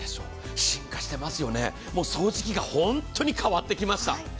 進化してますよね、掃除機が本当に変わってきました。